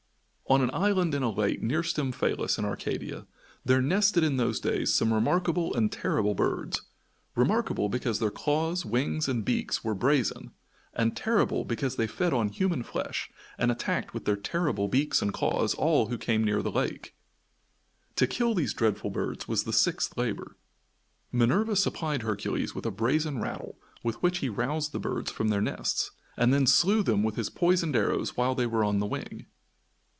On an island in a lake near Stymphalus, in Arcadia, there nested in those days some remarkable and terrible birds remarkable because their claws, wings and beaks were brazen, and terrible because they fed on human flesh and attacked with their terrible beaks and claws all who came near the lake. To kill these dreadful birds was the sixth labor. Minerva supplied Hercules with a brazen rattle with which he roused the birds from their nests, and then slew them with his poisoned arrows while they were on the wing.